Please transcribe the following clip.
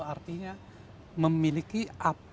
artinya memiliki apapun